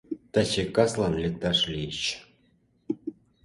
Таче каслан лекташ лийыч